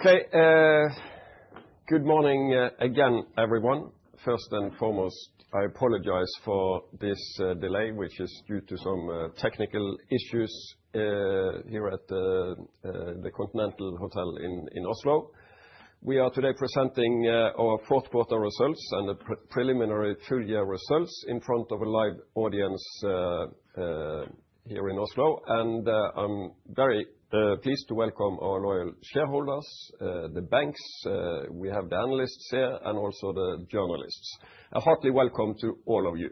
Okay, good morning, again, everyone. First and foremost, I apologize for this delay, which is due to some technical issues here at the Continental Hotel in Oslo. We are today presenting our fourth quarter results and the preliminary full-year results in front of a live audience here in Oslo. I'm very pleased to welcome our loyal shareholders, the banks, we have the analysts here, and also the journalists. A hearty welcome to all of you.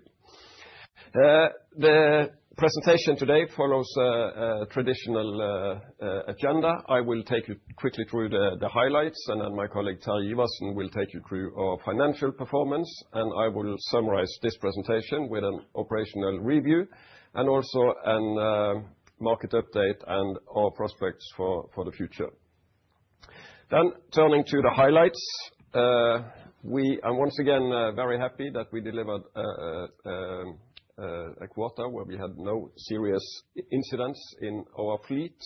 The presentation today follows a traditional agenda. I will take you quickly through the highlights, and then my colleague, Terje Iversen, will take you through our financial performance, and I will summarize this presentation with an operational review and also a market update and our prospects for the future. Then turning to the highlights, we are once again very happy that we delivered a quarter where we had no serious incidents in our fleet.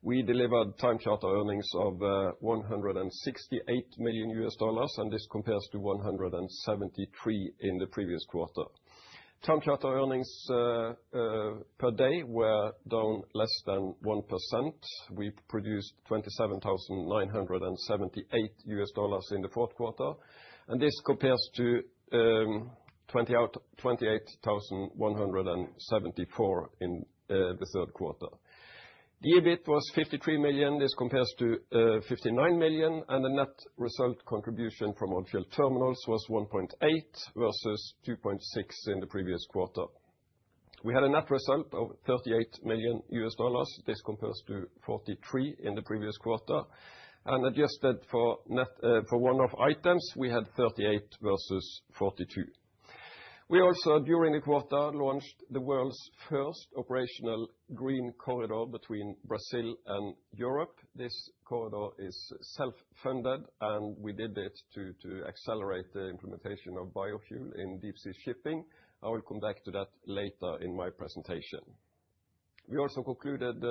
We delivered time charter earnings of $168 million, and this compares to $173 million in the previous quarter. Time charter earnings per day were down less than 1%. We produced $27,978 in the fourth quarter, and this compares to $28,174 in the third quarter. The EBIT was $53 million. This compares to $59 million, and the net result contribution from our fuel terminals was $1.8 million versus $2.6 million in the previous quarter. We had a net result of $38 million. This compares to $43 million in the previous quarter, and adjusted for net for one-off items, we had $38 million versus $42 million. We also, during the quarter, launched the world's first operational green corridor between Brazil and Europe. This corridor is self-funded, and we did it to accelerate the implementation of biofuel in deep sea shipping. I will come back to that later in my presentation. We also concluded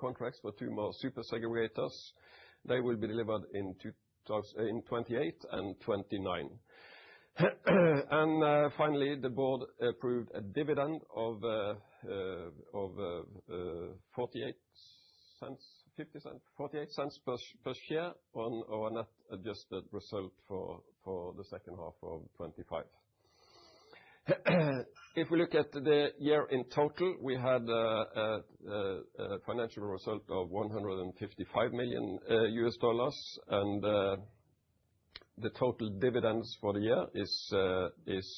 contracts for two more super segregators. They will be delivered in 2028 and 2029. And finally, the board approved a dividend of $0.48 per share on our net adjusted result for the second half of 2025. If we look at the year in total, we had a financial result of $155 million U.S. dollars, and the total dividends for the year is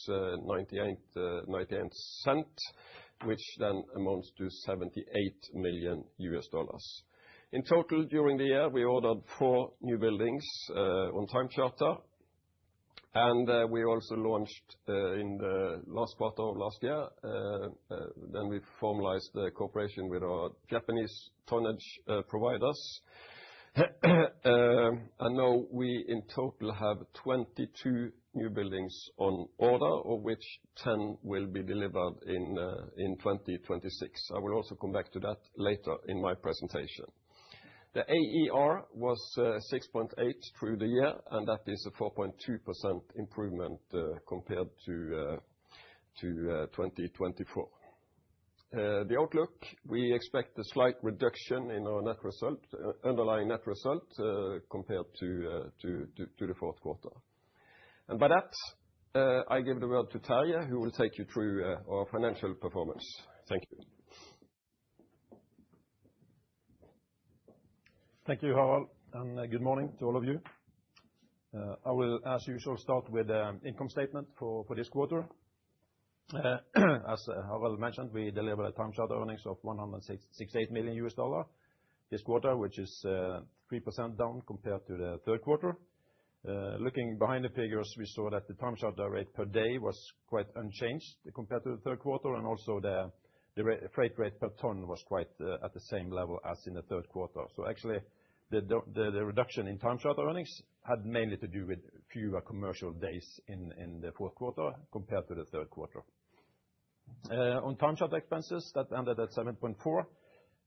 $0.98, which then amounts to $78 million U.S. In total, during the year, we ordered 4 new buildings on time charter, and we also launched in the last quarter of last year, then we formalized the cooperation with our Japanese tonnage providers. And now we, in total, have 22 new buildings on order, of which 10 will be delivered in 2026. I will also come back to that later in my presentation. The AER was 6.8 through the year, and that is a 4.2% improvement compared to 2024. The outlook, we expect a slight reduction in our net result, underlying net result, compared to the fourth quarter. And by that, I give the word to Terje, who will take you through our financial performance. Thank you. Thank you, Harald, and good morning to all of you. I will, as usual, start with the income statement for this quarter. As Harald mentioned, we delivered time charter earnings of $168 million U.S. dollar this quarter, which is 3% down compared to the third quarter. Looking behind the figures, we saw that the time charter rate per day was quite unchanged compared to the third quarter, and also the freight rate per ton was quite at the same level as in the third quarter. So actually, the reduction in time charter earnings had mainly to do with fewer commercial days in the fourth quarter compared to the third quarter. On time charter expenses, that ended at $7.4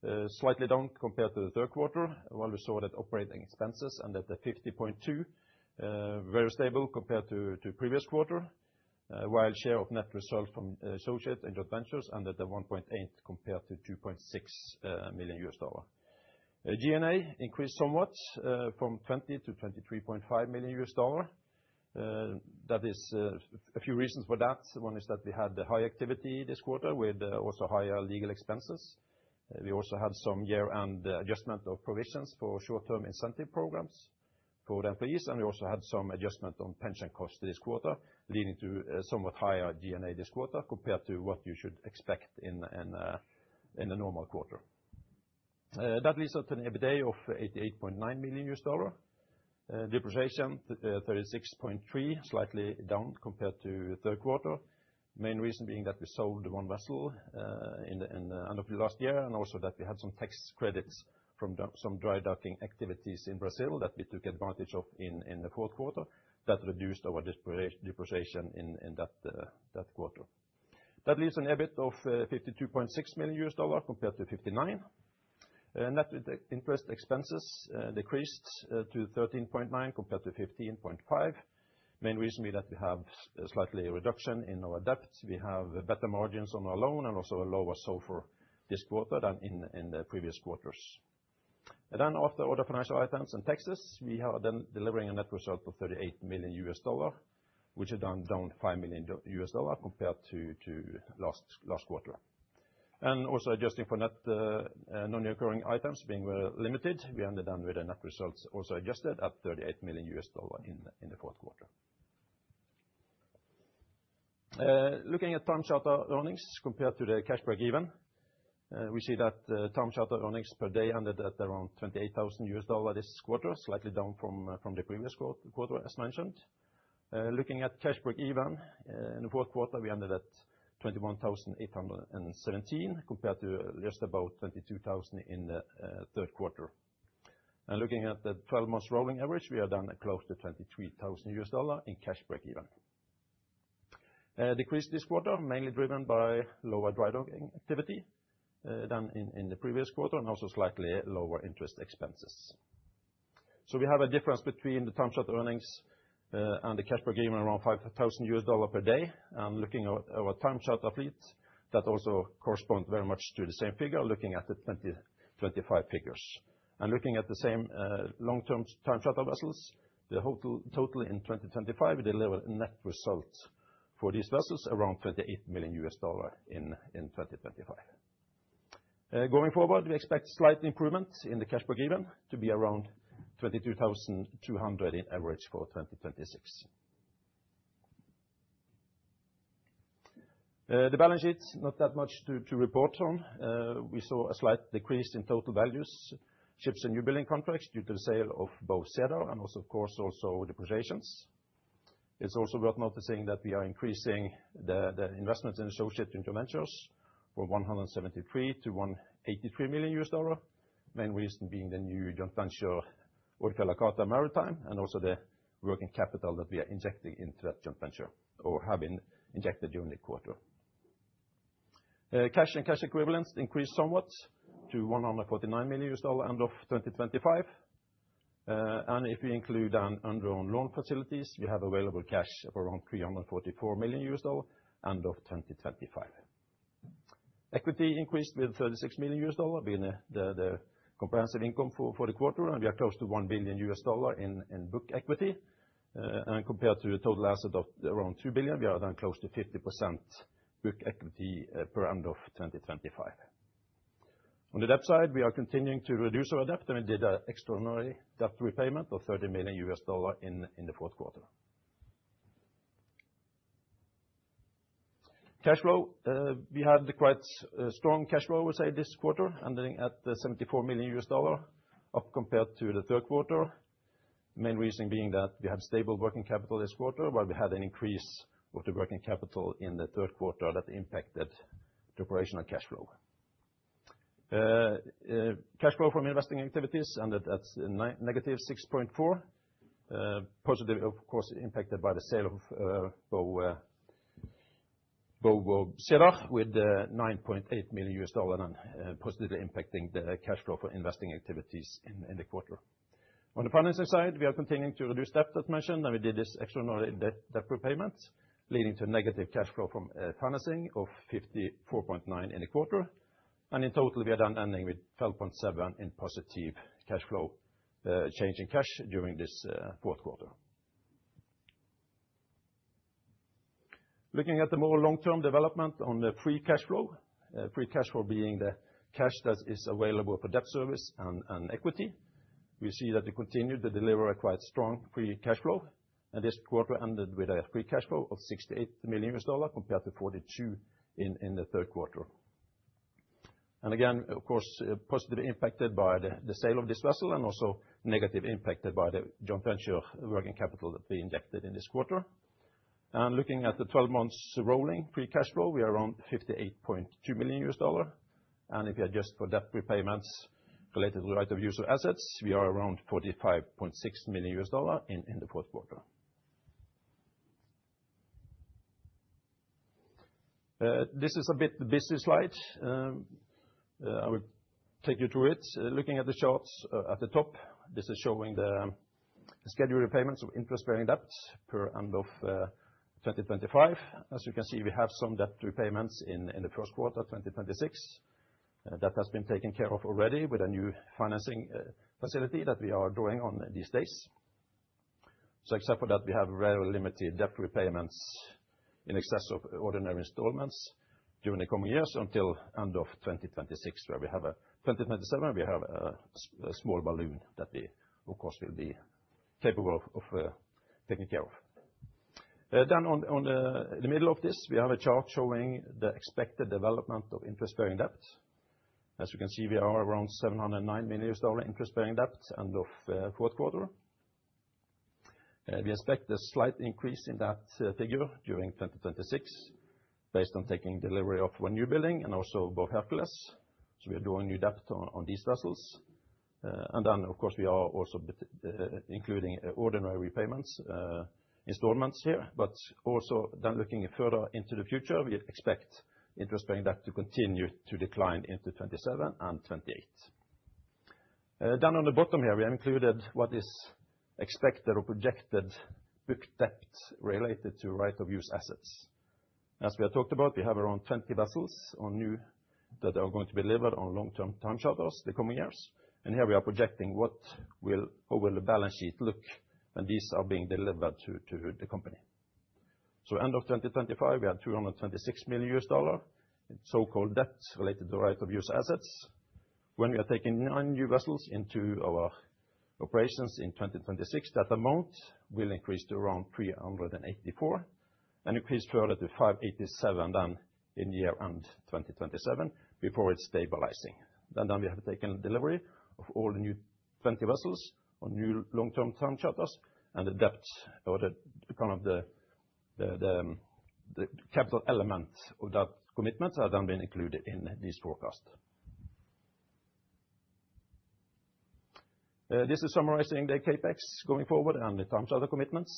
million, slightly down compared to the third quarter, while we saw that operating expenses ended at $50.2 million, very stable compared to the previous quarter. While share of net results from associates and joint ventures ended at $1.8 million compared to $2.6 million. G&A increased somewhat from $20 million-$23.5 million. That is a few reasons for that, one is that we had high activity this quarter with also higher legal expenses. We also had some year-end adjustment of provisions for short-term incentive programs for our employees, and we also had some adjustment on pension costs this quarter, leading to a somewhat higher G&A this quarter, compared to what you should expect in the normal quarter. That leads us to an EBITDA of $88.9 million. Depreciation, 36.3, slightly down compared to the third quarter. Main reason being that we sold one vessel in the end of last year, and also that we had some tax credits from some dry docking activities in Brazil that we took advantage of in the fourth quarter. That reduced our depreciation in that quarter. That leaves an EBIT of $52.6 million compared to 59. Net interest expenses decreased to $13.9 million compared to $15.5 million. Main reason being that we have a slightly reduction in our debt. We have better margins on our loan and also a lower SOFR this quarter than in the previous quarters. Then after all the financial items and taxes, we are then delivering a net result of $38 million, which is down $5 million compared to last quarter. Also adjusting for net non-recurring items being very limited, we ended up with a net results also adjusted at $38 million in the fourth quarter. Looking at time charter earnings compared to the cash break-even, we see that the time charter earnings per day ended at around $28,000 this quarter, slightly down from the previous quarter, as mentioned. Looking at cash break-even in the fourth quarter, we ended at $21,817 compared to just about $22,000 in the third quarter. Looking at the 12-month rolling average, we are down at close to $23,000 in cash break-even. Decrease this quarter mainly driven by lower drydocking activity than in the previous quarter, and also slightly lower interest expenses. So we have a difference between the time charter earnings and the cash break-even around $5,000 per day. And looking at our time charter fleet, that also corresponds very much to the same figure, looking at the 2025 figures. And looking at the same long-term time charter vessels, the total in 2025 delivered net results for these vessels around $38 million in 2025. Going forward, we expect slight improvement in the cash break-even to be around $22,200 in average for 2026. The balance sheet, not that much to report on. We saw a slight decrease in total values, ships and newbuilding contracts, due to the sale of Bow Cedar and also, of course, also the depreciations. It's also worth noticing that we are increasing the investments in associate joint ventures from $173 million-$183 million. Main reason being the new joint venture, Odfjell Hakata Maritime, and also the working capital that we are injecting into that joint venture or have been injected during the quarter. Cash and cash equivalents increased somewhat to $149 million end of 2025. And if we include undrawn loan facilities, we have available cash of around $344 million end of 2025. Equity increased with $36 million, being the comprehensive income for the quarter, and we are close to $1 billion in book equity. And compared to the total asset of around $2 billion, we are then close to 50% book equity per end of 2025. On the debt side, we are continuing to reduce our debt, and we did an extraordinary debt repayment of $30 million in the fourth quarter. Cash flow, we had quite a strong cash flow, we say, this quarter, ending at $74 million, up compared to the third quarter. Main reason being that we had stable working capital this quarter, while we had an increase of the working capital in the third quarter that impacted the operational cash flow. Cash flow from investing activities ended at -$6.4 million. Positive, of course, impacted by the sale of Bow Cedar with $9.8 million and positively impacting the cash flow for investing activities in the quarter. On the financing side, we are continuing to reduce debt, as mentioned, and we did this extraordinary debt repayments, leading to negative cash flow from financing of -$54.9 million in the quarter. And in total, we are done ending with $12.7 million in positive cash flow change in cash during this fourth quarter. Looking at the more long-term development on the free cash flow, free cash flow being the cash that is available for debt service and equity, we see that we continued to deliver a quite strong free cash flow. This quarter ended with a free cash flow of $68 million, compared to $42 million in the third quarter. And again, of course, positively impacted by the sale of this vessel and also negatively impacted by the joint venture working capital that we injected in this quarter. Looking at the 12 months rolling free cash flow, we are around $58.2 million. And if you adjust for debt repayments related to the right-of-use assets, we are around $45.6 million in the fourth quarter. This is a bit busy slide. I will take you through it. Looking at the charts at the top, this is showing the scheduled repayments of interest-bearing debts per end of 2025. As you can see, we have some debt repayments in the first quarter of 2026. That has been taken care of already with a new financing facility that we are drawing on these days. So except for that, we have very limited debt repayments in excess of ordinary installments during the coming years until end of 2026, where we have a—2027, we have a small balloon that we, of course, will be capable of taking care of. Then, in the middle of this, we have a chart showing the expected development of interest-bearing debt. As you can see, we are around $709 million interest-bearing debt end of fourth quarter. We expect a slight increase in that figure during 2026, based on taking delivery of one new building and also Bow Hercules. So we are drawing new debt on these vessels, and then, of course, we are also including ordinary repayments, installments here, but also then looking further into the future, we expect interest-paying debt to continue to decline into 2027 and 2028. Down on the bottom here, we included what is expected or projected book debt related to right-of-use assets. As we have talked about, we have around 20 vessels on new that are going to be delivered on long-term time charters the coming years, and here we are projecting how the balance sheet will look when these are being delivered to the company. So end of 2025, we have $326 million in so-called debts related to right-of-use assets. When we are taking 9 new vessels into our operations in 2026, that amount will increase to around $384 million, and increase further to $587 million than in the year end 2027 before it's stabilizing. And then we have taken delivery of all the new 20 vessels on new long-term time charters, and the debts or the, kind of, the capital element of that commitment have then been included in this forecast. This is summarizing the CapEx going forward and the time charter commitments.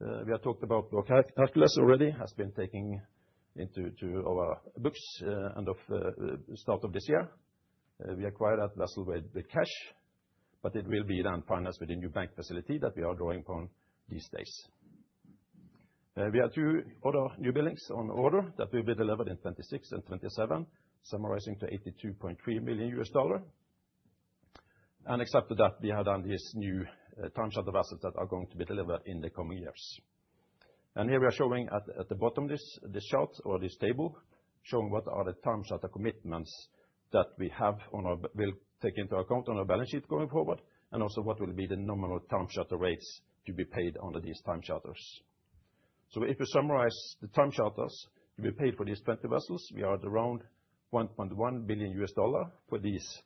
We have talked about Hercules already, has been taking into to our books, end of, start of this year. We acquired that vessel with the cash, but it will be then financed with the new bank facility that we are drawing upon these days. We have two other new buildings on order that will be delivered in 2026 and 2027, summarizing to $82.3 million. And except that we have done this new, time charter assets that are going to be delivered in the coming years. And here we are showing at, at the bottom of this, this chart or this table, showing what are the time charter commitments that we have will take into account on our balance sheet going forward, and also what will be the nominal time charter rates to be paid under these time charters. So if we summarize the time charters, we will pay for these 20 vessels, we are at around $1.1 billion for these,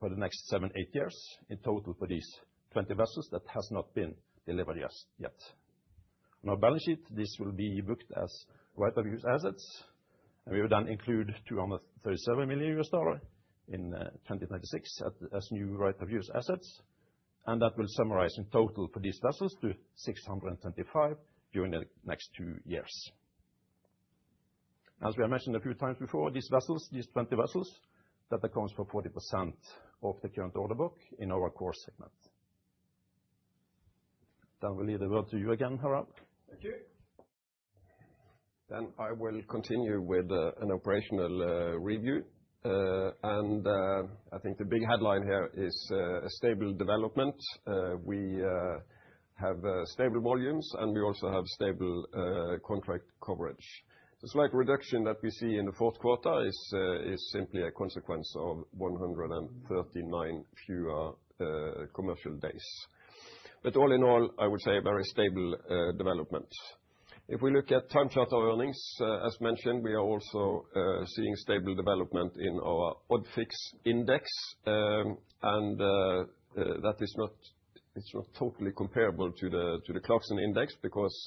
for the next 7-8 years in total for these 20 vessels that has not been delivered as yet. On our balance sheet, this will be booked as right-of-use assets, and we will then include $237 million in 2026 as, as new right-of-use assets, and that will summarize in total for these vessels to $625 million during the next two years. As we have mentioned a few times before, these vessels, these 20 vessels, that accounts for 40% of the current order book in our core segment. Then we'll leave the word to you again, Harald. Thank you. Then I will continue with an operational review. I think the big headline here is a stable development. We have stable volumes, and we also have stable contract coverage. The slight reduction that we see in the fourth quarter is simply a consequence of 139 fewer commercial days. But all in all, I would say a very stable development. If we look at time charter earnings, as mentioned, we are also seeing stable development in our Odfix Index. It's not totally comparable to the Clarkson Index, because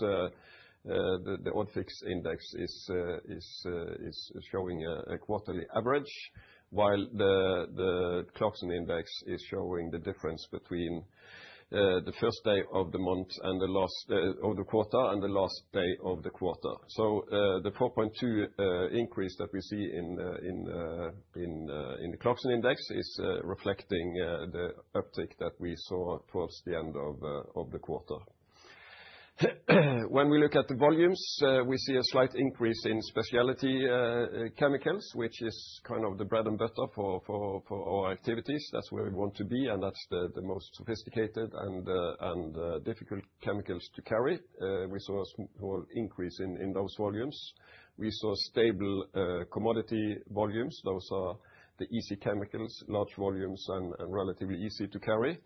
the Odfix Index is showing a quarterly average, while the Clarkson Index is showing the difference between the first day of the month and the last day of the quarter. So, the 4.2 increase that we see in the Clarksons Index is reflecting the uptick that we saw towards the end of the quarter. When we look at the volumes, we see a slight increase in specialty chemicals, which is kind of the bread and butter for our activities. That's where we want to be, and that's the most sophisticated and difficult chemicals to carry. We saw a small increase in those volumes. We saw stable commodity volumes. Those are the easy chemicals, large volumes and relatively easy to carry.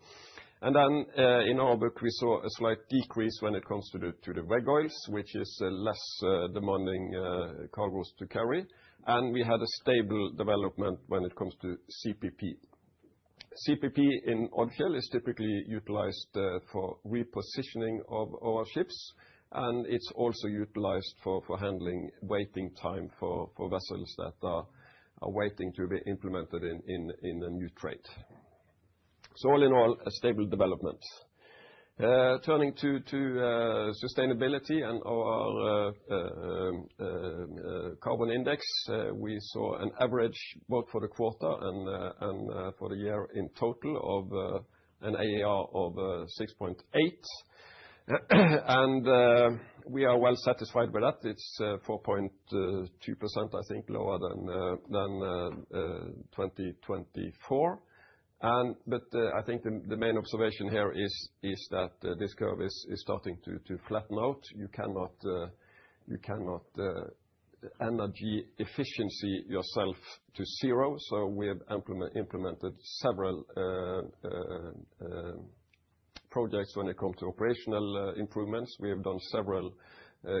And then, in our book, we saw a slight decrease when it comes to the veg oils, which is a less demanding cargos to carry. And we had a stable development when it comes to CPP. CPP in Odfjell is typically utilized for repositioning of our ships, and it's also utilized for handling waiting time for vessels that are waiting to be implemented in a new trade. So all in all, a stable development. Turning to sustainability and our carbon index, we saw an average, both for the quarter and for the year in total, of an AER of 6.8. We are well satisfied with that. It's 4.2%, I think, lower than 2024. But I think the main observation here is that this curve is starting to flatten out. You cannot energy efficiency yourself to zero, so we have implemented several projects when it comes to operational improvements. We have done several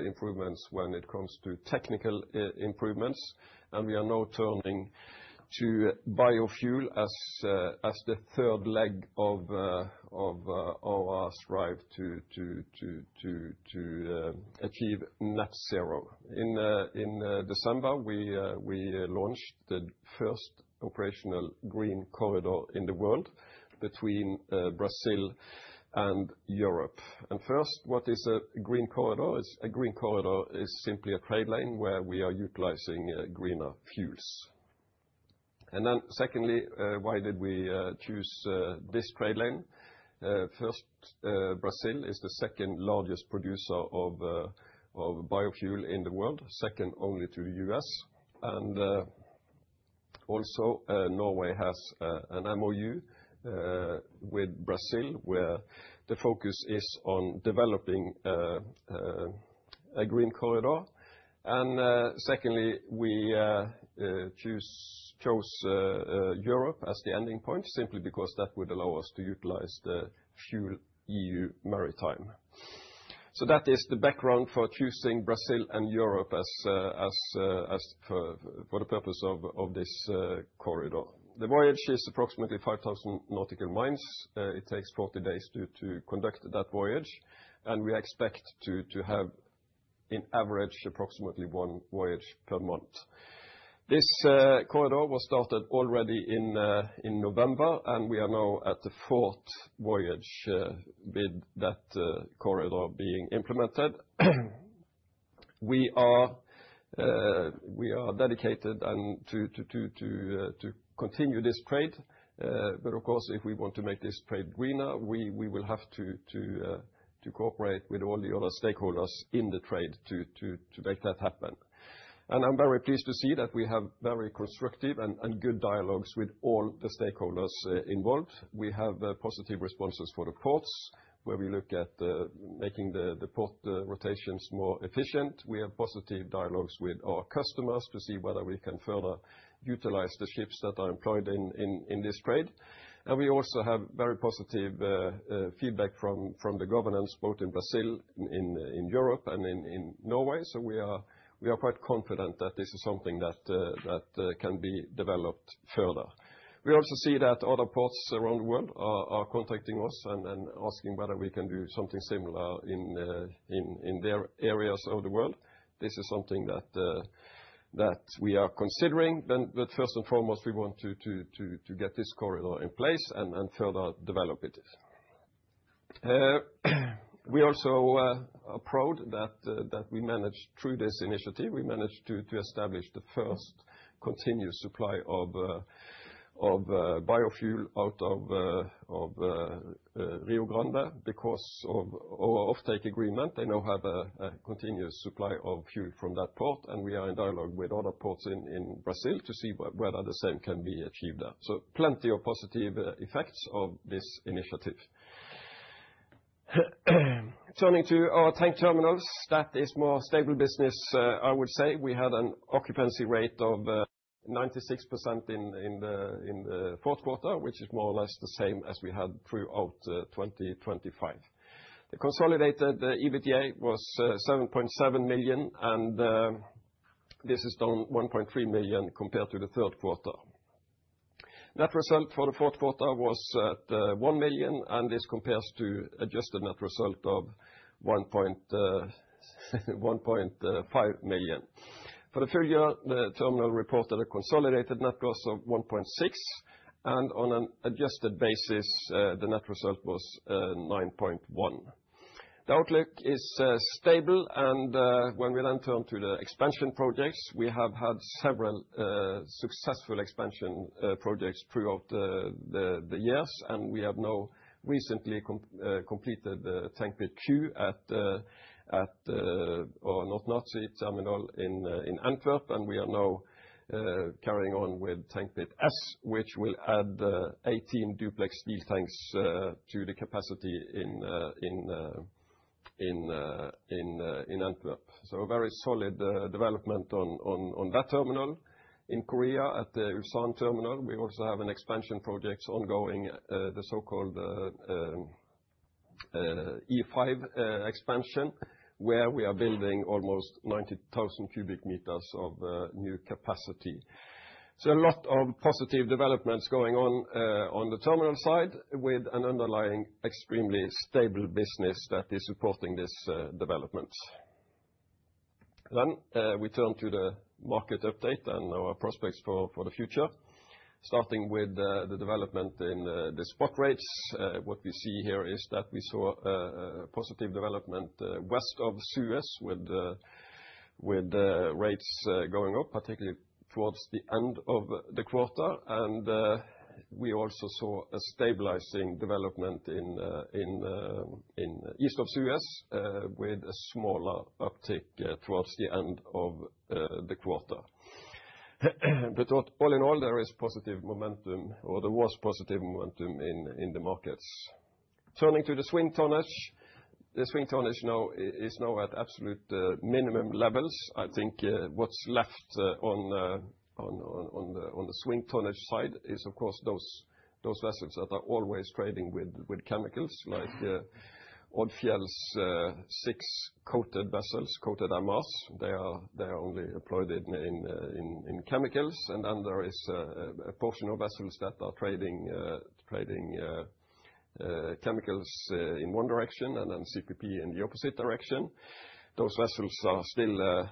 improvements when it comes to technical improvements, and we are now turning to biofuel as the third leg of our strive to achieve net zero. In December, we launched the first operational green corridor in the world between Brazil and Europe. And first, what is a green corridor? A green corridor is simply a trade lane where we are utilizing greener fuels. And then secondly, why did we choose this trade lane? First, Brazil is the second largest producer of biofuel in the world, second only to the U.S. And also, Norway has an MOU with Brazil, where the focus is on developing a green corridor. Secondly, we chose Europe as the ending point, simply because that would allow us to utilize the FuelEU Maritime. So that is the background for choosing Brazil and Europe as for the purpose of this corridor. The voyage is approximately 5,000 nautical miles. It takes 40 days to conduct that voyage, and we expect to have, in average, approximately one voyage per month. This corridor was started already in November, and we are now at the fourth voyage with that corridor being implemented. We are dedicated to continue this trade, but of course, if we want to make this trade greener, we will have to cooperate with all the other stakeholders in the trade to make that happen. And I'm very pleased to see that we have very constructive and good dialogues with all the stakeholders involved. We have positive responses for the ports, where we look at making the port rotations more efficient. We have positive dialogues with our customers to see whether we can further utilize the ships that are employed in this trade. And we also have very positive feedback from the governance, both in Brazil, in Europe, and in Norway. So we are quite confident that this is something that can be developed further. We also see that other ports around the world are contacting us and asking whether we can do something similar in their areas of the world. This is something that we are considering. But first and foremost, we want to get this corridor in place and further develop it. We also are proud that we managed, through this initiative, to establish the first continuous supply of biofuel out of Rio Grande. Because of our offtake agreement, they now have a continuous supply of fuel from that port, and we are in dialogue with other ports in Brazil to see whether the same can be achieved there. So plenty of positive effects of this initiative. Turning to our tank terminals, that is more stable business, I would say. We had an occupancy rate of 96% in the fourth quarter, which is more or less the same as we had throughout 2025. The consolidated EBITDA was $7.7 million, and this is down $1.3 million compared to the third quarter. Net result for the fourth quarter was at $1 million, and this compares to adjusted net result of $1.5 million. For the full year, the terminal reported a consolidated net loss of $1.6, and on an adjusted basis, the net result was $9.1. The outlook is stable, and when we then turn to the expansion projects, we have had several successful expansion projects throughout the years, and we have now recently completed the Tank Pit 2 at our Noord Natie terminal in Antwerp, and we are now carrying on with Tank Pit 3, which will add 18 duplex steel tanks to the capacity in Antwerp. So a very solid development on that terminal. In Korea, at the Ulsan terminal, we also have an expansion project ongoing, the so-called E5 expansion, where we are building almost 90,000 cubic meters of new capacity. So a lot of positive developments going on on the terminal side, with an underlying extremely stable business that is supporting this development. Then we turn to the market update and our prospects for the future. Starting with the development in the spot rates, what we see here is that we saw a positive development west of the Suez, with rates going up, particularly towards the end of the quarter. And we also saw a stabilizing development in east of Suez, with a smaller uptick towards the end of the quarter. But all in all, there is positive momentum, or there was positive momentum in the markets. Turning to the swing tonnage. The swing tonnage now is now at absolute minimum levels. I think what's left on the swing tonnage side is, of course, those vessels that are always trading with chemicals, like Odfjell's six coated vessels, coated IMOs. They are only employed in chemicals. And then there is a portion of vessels that are trading chemicals in one direction and then CPP in the opposite direction. Those vessels are still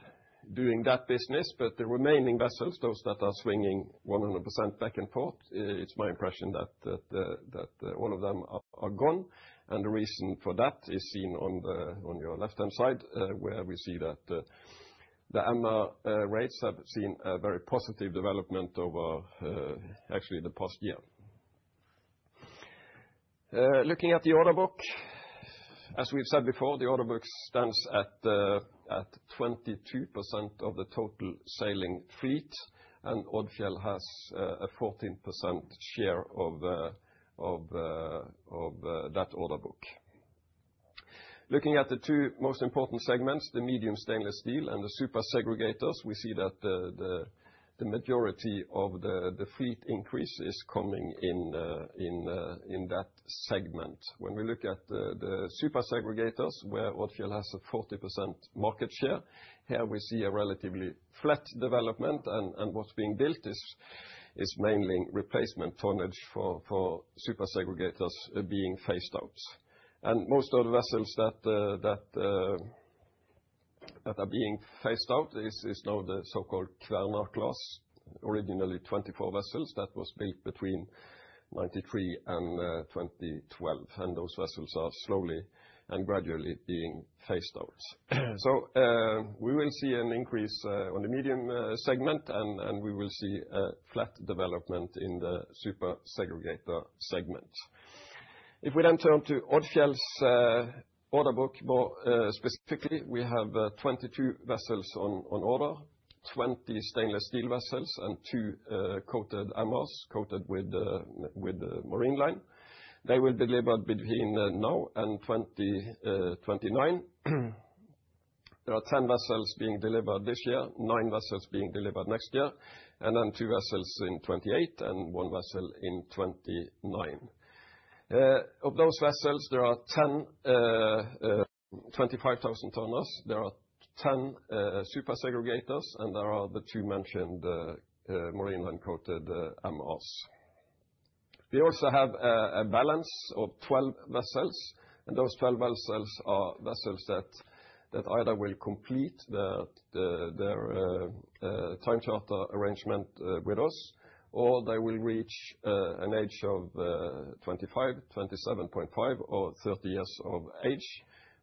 doing that business, but the remaining vessels, those that are swinging 100% back and forth, it's my impression that all of them are gone. And the reason for that is seen on your left-hand side, where we see that the MR rates have seen a very positive development over actually the past year. Looking at the order book, as we've said before, the order book stands at 22% of the total sailing fleet, and Odfjell has a 14% share of that order book. Looking at the two most important segments, the medium stainless steel and the Super Segregators, we see that the majority of the fleet increase is coming in that segment. When we look at the Super Segregators, where Odfjell has a 40% market share, here we see a relatively flat development, and what's being built is mainly replacement tonnage for Super Segregators being phased out. Most of the vessels that are being phased out is now the so-called Kværner class, originally 24 vessels that was built between 1993 and 2012. Those vessels are slowly and gradually being phased out. We will see an increase on the medium segment, and we will see a flat development in the Super Segregator segment. If we then turn to Odfjell's order book, more specifically, we have 22 vessels on order, 20 stainless steel vessels and two coated IMOs, coated with the MarineLine. They will deliver between now and 2029. There are 10 vessels being delivered this year, 9 vessels being delivered next year, and then 2 vessels in 2028 and 1 vessel in 2029. Of those vessels, there are 10 25,000-tonners, there are 10 Super Segregators, and there are the 2 mentioned MarineLine-coated IMO 2s. We also have a balance of 12 vessels, and those 12 vessels are vessels that either will complete their time charter arrangement with us, or they will reach an age of 25, 27.5, or 30 years of age,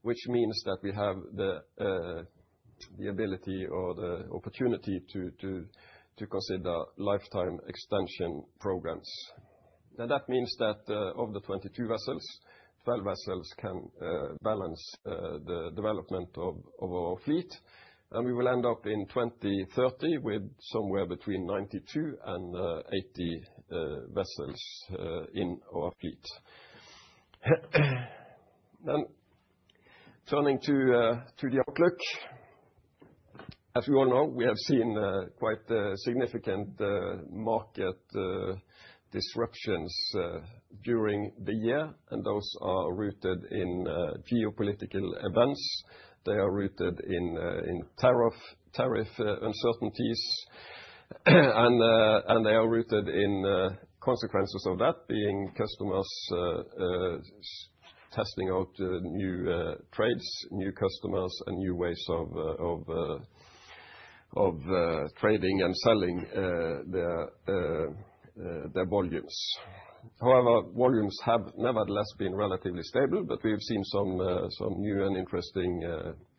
which means that we have the ability or the opportunity to consider lifetime extension programs. Now, that means that of the 22 vessels, 12 vessels can balance the development of our fleet, and we will end up in 2030 with somewhere between 92 and 80 vessels in our fleet. Then turning to the outlook. As you all know, we have seen quite significant market disruptions during the year, and those are rooted in geopolitical events. They are rooted in tariff uncertainties, and they are rooted in consequences of that being customers testing out new trades, new customers, and new ways of trading and selling their volumes. However, volumes have nevertheless been relatively stable, but we have seen some new and interesting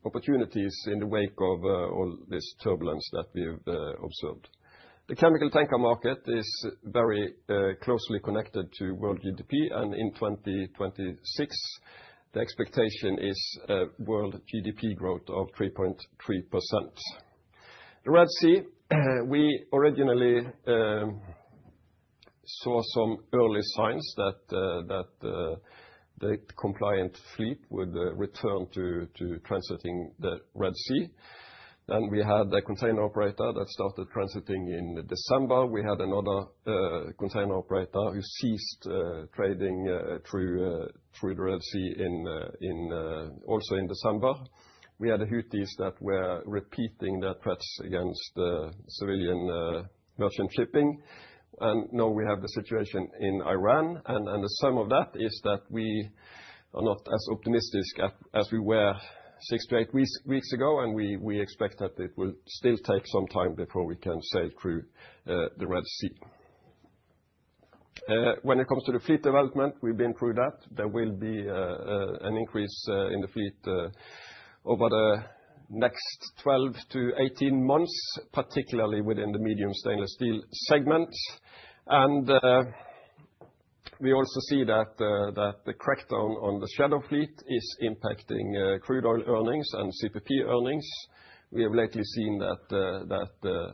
opportunities in the wake of all this turbulence that we've observed. The chemical tanker market is very closely connected to world GDP, and in 2026, the expectation is a world GDP growth of 3.3%. The Red Sea, we originally saw some early signs that the compliant fleet would return to transiting the Red Sea. Then we had a container operator that started transiting in December. We had another container operator who ceased trading through the Red Sea also in December. We had the Houthis that were repeating their threats against civilian merchant shipping. Now we have the situation in Iran, and the sum of that is that we are not as optimistic as we were 6-8 weeks ago, and we expect that it will still take some time before we can sail through the Red Sea. When it comes to the fleet development, we've been through that. There will be an increase in the fleet over the next 12-18 months, particularly within the medium stainless steel segment. And we also see that the crackdown on the shadow fleet is impacting crude oil earnings and CPP earnings. We have lately seen that the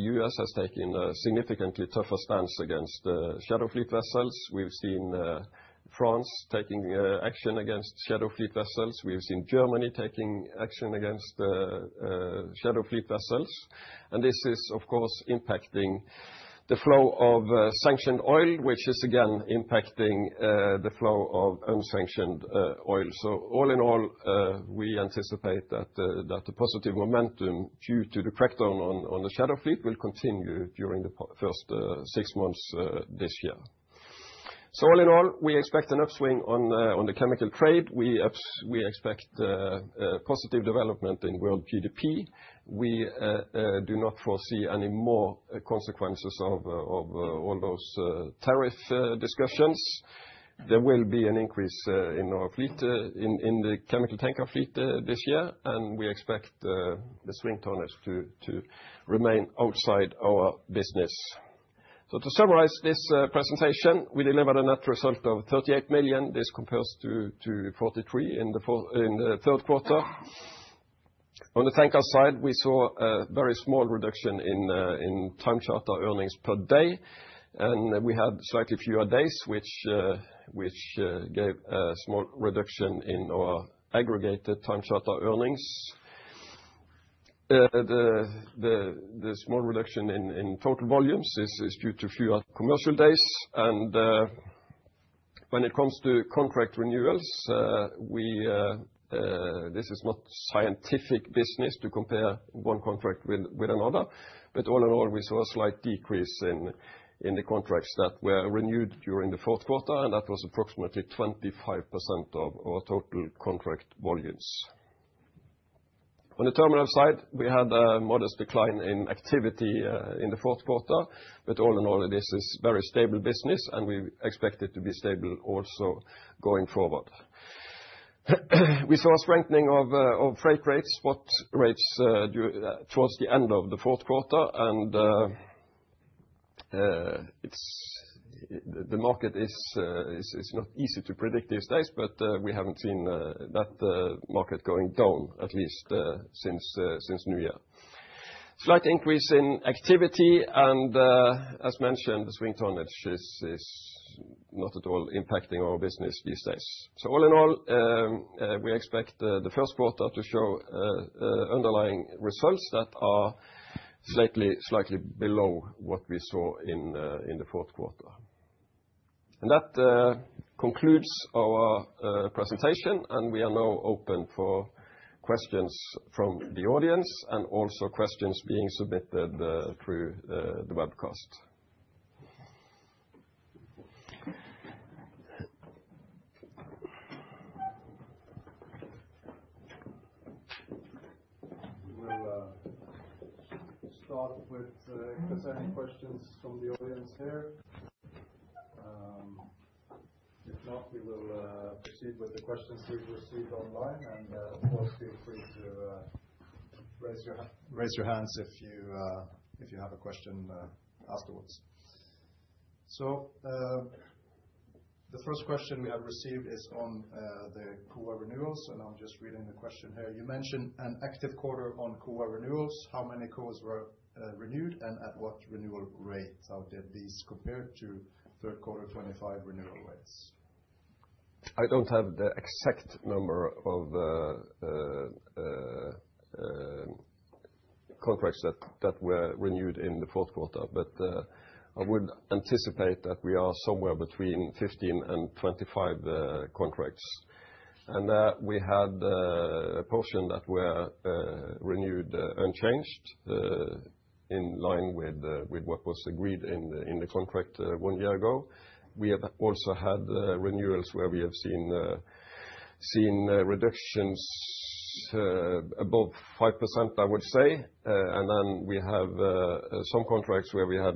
U.S. has taken a significantly tougher stance against shadow fleet vessels. We've seen France taking action against shadow fleet vessels. We've seen Germany taking action against shadow fleet vessels. And this is, of course, impacting the flow of sanctioned oil, which is again impacting the flow of unsanctioned oil. So all in all, we anticipate that the positive momentum due to the crackdown on the shadow fleet will continue during the first six months this year. So all in all, we expect an upswing on the chemical trade. We expect positive development in world GDP. We do not foresee any more consequences of all those tariff discussions. There will be an increase in our fleet in the chemical tanker fleet this year, and we expect the swing tonners to remain outside our business.... So to summarize this presentation, we delivered a net result of $38 million. This compares to $43 million in the third quarter. On the tanker side, we saw a very small reduction in time charter earnings per day, and we had slightly fewer days, which gave a small reduction in our aggregated time charter earnings. The small reduction in total volumes is due to fewer commercial days, and when it comes to contract renewals, we this is not scientific business to compare one contract with another, but all in all, we saw a slight decrease in the contracts that were renewed during the fourth quarter, and that was approximately 25% of our total contract volumes. On the terminal side, we had a modest decline in activity in the fourth quarter, but all in all, this is very stable business, and we expect it to be stable also going forward. We saw a strengthening of freight rates, spot rates towards the end of the fourth quarter, and the market is not easy to predict these days, but we haven't seen that market going down, at least since New Year. Slight increase in activity, and as mentioned, the swing tonnage is not at all impacting our business these days. So all in all, we expect the first quarter to show underlying results that are slightly below what we saw in the fourth quarter. That concludes our presentation, and we are now open for questions from the audience and also questions being submitted through the webcast. We will start with presenting questions from the audience here. If not, we will proceed with the questions we've received online, and of course, feel free to raise your hands if you have a question afterwards. So, the first question we have received is on the COA renewals, and I'm just reading the question here: You mentioned an active quarter on COA renewals. How many COAs were renewed, and at what renewal rates? How did these compare to third quarter 25 renewal rates? I don't have the exact number of contracts that were renewed in the fourth quarter, but I would anticipate that we are somewhere between 15 and 25 contracts. We had a portion that were renewed unchanged, in line with what was agreed in the contract one year ago. We have also had renewals where we have seen reductions above 5%, I would say, and then we have some contracts where we had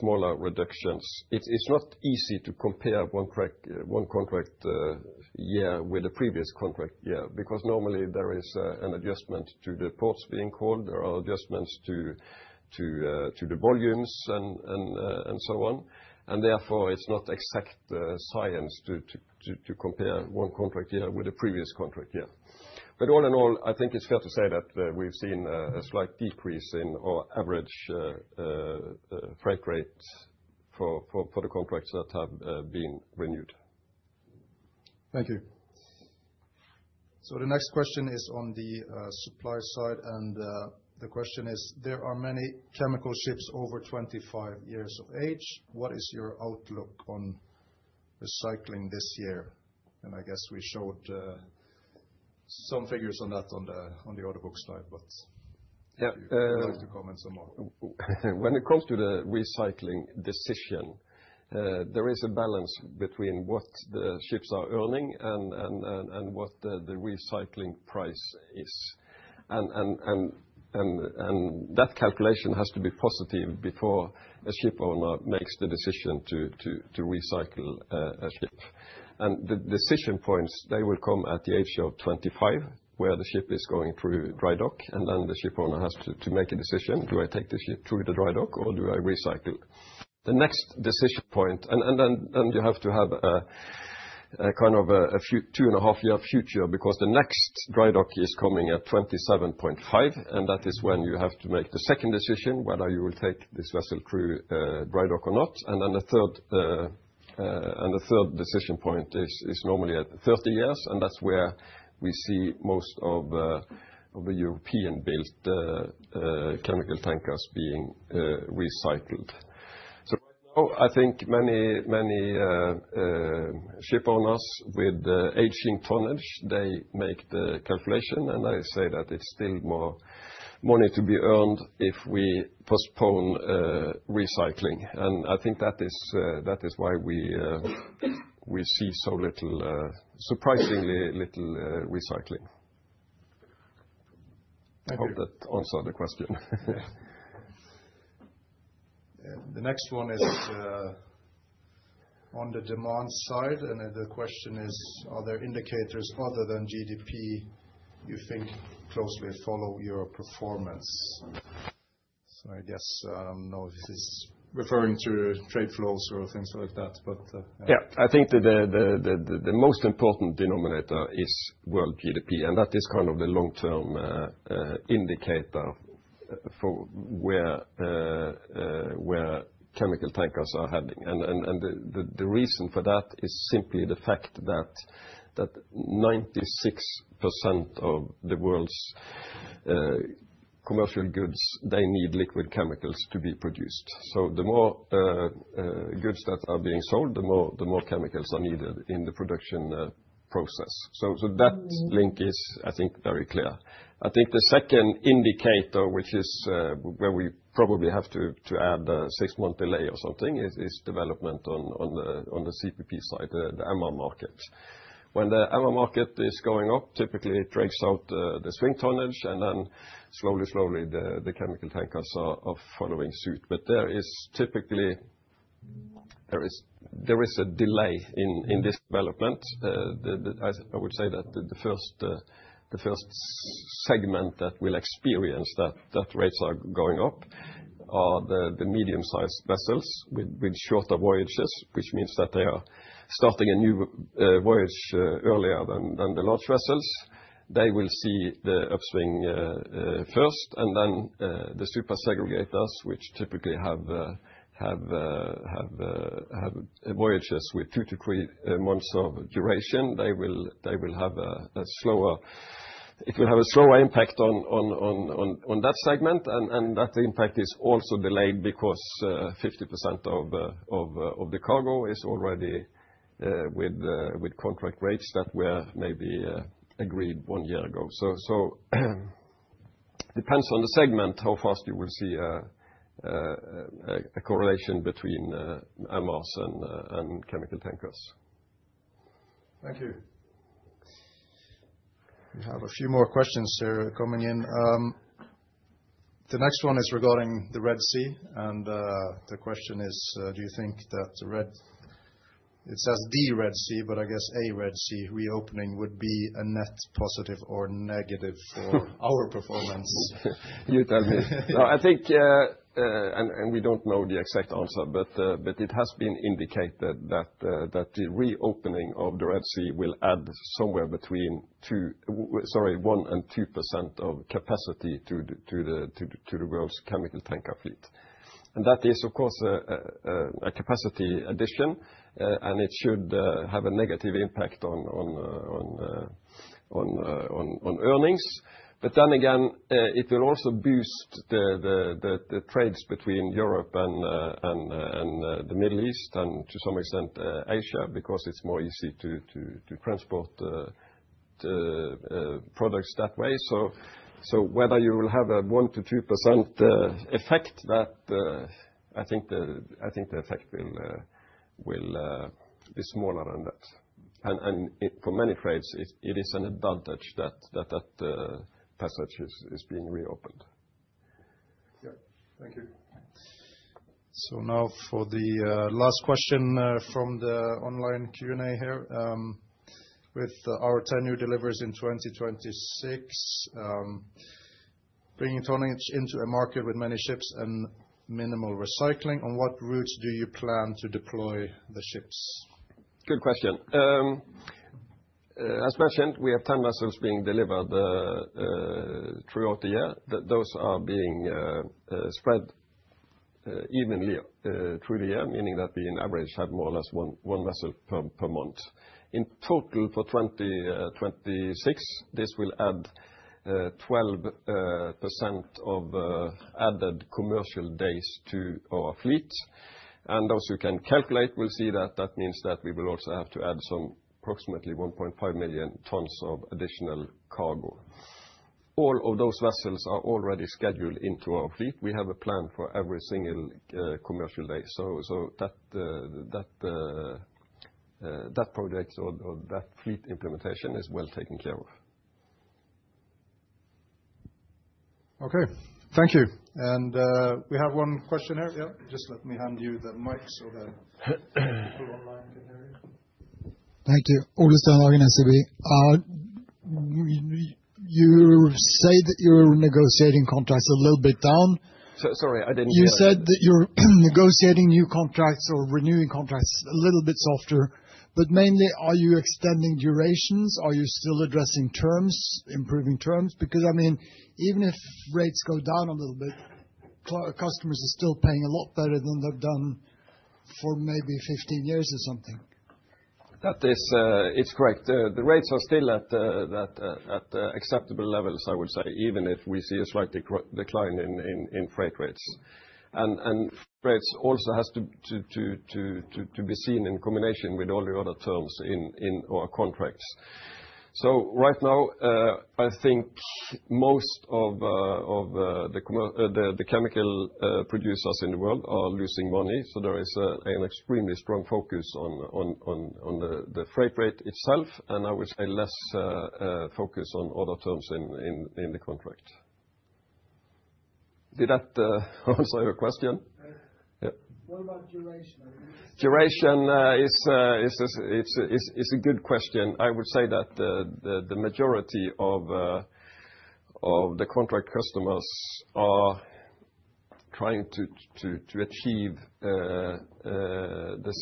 smaller reductions. It's not easy to compare one contract year with the previous contract year, because normally there is an adjustment to the ports being called, there are adjustments to the volumes and so on. Therefore, it's not exact science to compare one contract year with the previous contract year. But all in all, I think it's fair to say that we've seen a slight decrease in our average freight rate for the contracts that have been renewed. Thank you. So the next question is on the supply side, and the question is, there are many chemical ships over 25 years of age. What is your outlook on recycling this year? And I guess we showed some figures on that on the order book slide, but- Yeah, uh- Would you like to comment some more? When it comes to the recycling decision, there is a balance between what the ships are earning and what the recycling price is. And that calculation has to be positive before a shipowner makes the decision to recycle a ship. And the decision points, they will come at the age of 25, where the ship is going through dry dock, and then the shipowner has to make a decision: do I take the ship through the dry dock, or do I recycle? The next decision point... And then you have to have a kind of a few 2.5-year future, because the next dry dock is coming at 27.5, and that is when you have to make the second decision, whether you will take this vessel through dry dock or not. And then the third decision point is normally at 30 years, and that's where we see most of the European-built chemical tankers being recycled. So right now, I think many, many shipowners with aging tonnage, they make the calculation, and I say that it's still more money to be earned if we postpone recycling. And I think that is why we see so little surprisingly little recycling. Thank you. I hope that answered the question. Yeah. The next one is on the demand side, and then the question is, are there indicators other than GDP you think closely follow your performance? So I guess, no, this is referring to trade flows or things like that, but, Yeah, I think that the most important denominator is world GDP, and that is kind of the long-term indicator for where chemical tankers are heading. And the reason for that is simply the fact that 96% of the world's commercial goods, they need liquid chemicals to be produced. So the more goods that are being sold, the more chemicals are needed in the production process. So that link is, I think, very clear. I think the second indicator, which is where we probably have to add a six-month delay or something, is development on the CPP side, the MR market. When the MR market is going up, typically it drags out the swing tonnage, and then slowly the chemical tankers are following suit. But there is typically a delay in this development. I would say that the first segment that will experience that rates are going up are the medium-sized vessels with shorter voyages, which means that they are starting a new voyage earlier than the large vessels. They will see the upswing first, and then the Super Segregator, which typically have voyages with 2-3 months of duration. They will have a slower impact on that segment, and that impact is also delayed because 50% of the cargo is already with contract rates that were maybe agreed one year ago. So depends on the segment, how fast you will see a correlation between MRs and chemical tankers. Thank you. We have a few more questions here coming in. The next one is regarding the Red Sea, and the question is, do you think that the Red—it says the Red Sea, but I guess a Red Sea reopening would be a net positive or negative—for our performance? You tell me. No, I think, and we don't know the exact answer, but it has been indicated that the reopening of the Red Sea will add somewhere between 2... Sorry, 1%-2% of capacity to the world's chemical tanker fleet. And that is, of course, a capacity addition, and it should have a negative impact on earnings. But then again, it will also boost the trades between Europe and the Middle East, and to some extent, Asia, because it's more easy to transport the products that way. Whether you will have a 1%-2% effect, I think the effect will be smaller than that. For many trades, it is an advantage that passage is being reopened. Yeah. Thank you. So now for the last question from the online Q&A here. With our ten new deliveries in 2026, bringing tonnage into a market with many ships and minimal recycling, on what routes do you plan to deploy the ships? Good question. As mentioned, we have 10 vessels being delivered throughout the year. Those are being spread evenly through the year, meaning that we, in average, have more or less 1 vessel per month. In total, for 2026, this will add 12% of added commercial days to our fleet. And those who can calculate will see that that means that we will also have to add some, approximately 1.5 million tons of additional cargo. All of those vessels are already scheduled into our fleet. We have a plan for every single commercial day. So that project or that fleet implementation is well taken care of. Okay. Thank you. We have one question here. Yeah, just let me hand you the mic so the people online can hear you. Thank you. Ole Stenhagen, SEB. You say that you're negotiating contracts a little bit down. So sorry, I didn't hear. You said that you're negotiating new contracts or renewing contracts a little bit softer, but mainly, are you extending durations? Are you still addressing terms, improving terms? Because, I mean, even if rates go down a little bit, customers are still paying a lot better than they've done for maybe 15 years or something. That is, it's correct. The rates are still at acceptable levels, I would say, even if we see a slight decline in freight rates. And rates also has to be seen in combination with all the other terms in our contracts. So right now, I think most of the chemical producers in the world are losing money, so there is an extremely strong focus on the freight rate itself, and I would say less focus on other terms in the contract. Did that answer your question? Yes. Yeah. What about duration? Duration is a good question. I would say that the majority of the contract customers are trying to achieve the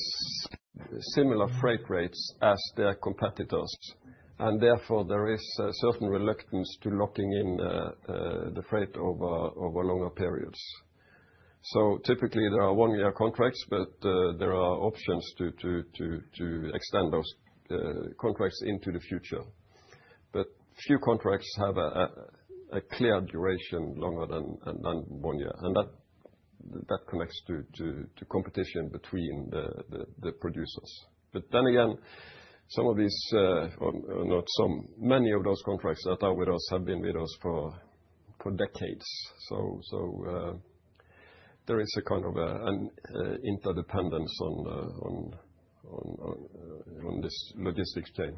similar freight rates as their competitors. And therefore, there is a certain reluctance to locking in the freight over longer periods. So typically, there are one-year contracts, but there are options to extend those contracts into the future. But few contracts have a clear duration longer than one year, and that connects to competition between the producers. But then again, or not some, many of those contracts that are with us, have been with us for decades. So, there is a kind of an interdependence on this logistics chain.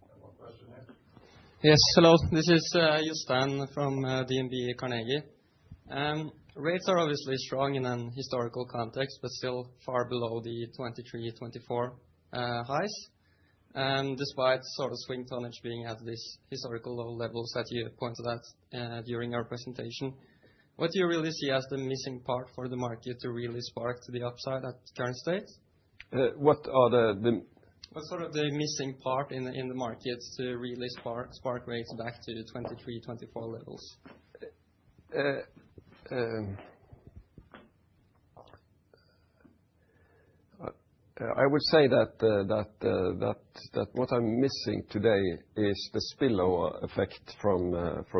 One more question here. Yes, hello, this is, Jørgen from, DNB Carnegie. Rates are obviously strong in an historical context, but still far below the 2023, 2024 highs. And despite sort of swing tonnage being at this historical low levels that you pointed out, during your presentation, what do you really see as the missing part for the market to really spark to the upside at current state? What are the What sort of the missing part in the market to really spark rates back to 23, 24 levels? I would say that what I'm missing today is the spillover effect from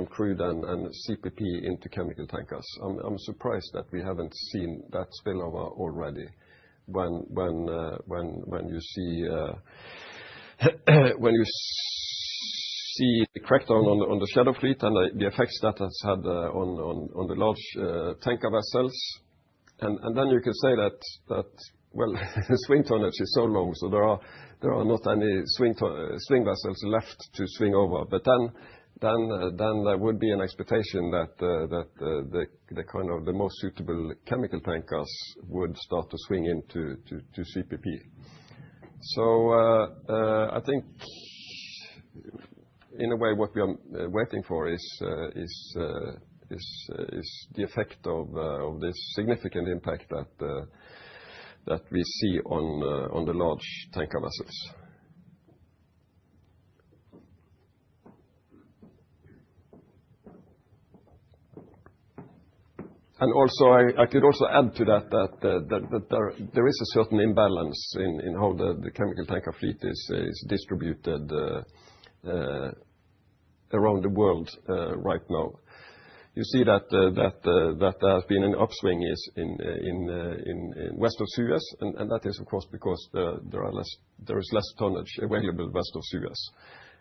crude and CPP into chemical tankers. I'm surprised that we haven't seen that spillover already when you see the crackdown on the shadow fleet and the effects that has had on the large tanker vessels. And then you can say that, well, the swing tonnage is so low, so there are not any swing vessels left to swing over. But then there would be an expectation that the kind of the most suitable chemical tankers would start to swing into CPP. So, I think in a way, what we are waiting for is the effect of this significant impact that we see on the large tanker vessels. And also, I could also add to that, that there is a certain imbalance in how the chemical tanker fleet is distributed around the world right now. You see that there has been an upswing in west of Suez, and that is, of course, because there is less tonnage available west of Suez.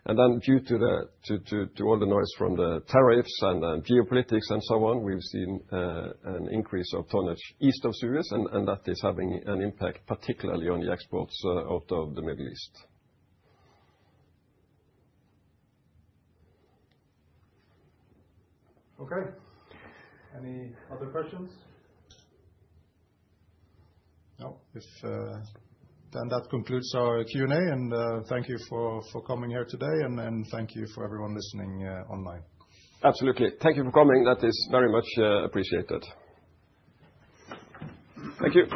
Then due to all the noise from the tariffs and geopolitics and so on, we've seen an increase of tonnage east of Suez, and that is having an impact, particularly on the exports out of the Middle East. Okay. Any other questions? No. Then that concludes our Q&A, and thank you for coming here today, and then thank you for everyone listening online. Absolutely. Thank you for coming. That is very much appreciated. Thank you.